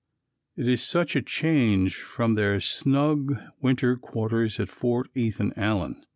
It is such a change from their snug winter quarters at Fort Ethan Allen.